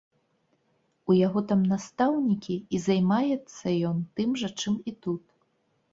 У яго там настаўнікі, і займаецца ён тым жа, чым і тут.